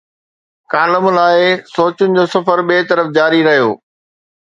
Column لاءِ، سوچن جو سفر ٻئي طرف جاري رهيو.